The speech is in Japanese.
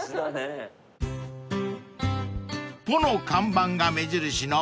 ［「ぽ」の看板が目印の］